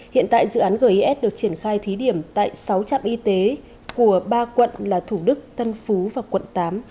hiện tại dự án gis được triển khai thí điểm tại sáu trạm y tế của ba quận là thủ đức tân phú và quận tám